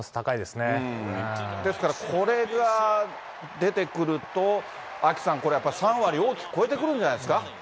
ですから、これが出てくると、アキさん、これ、やっぱり３割大きく超えてくるんじゃないですか。